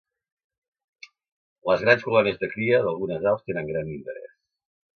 Les grans colònies de cria d'algunes aus tenen gran interès.